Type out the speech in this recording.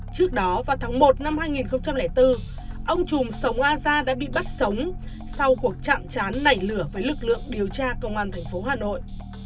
trước đó vào tháng một năm hai nghìn bốn ông trùm sông a gia đã bị bắt sống sau cuộc chạm chán nảy lửa với lực lượng điều tra công an thành phố hà nội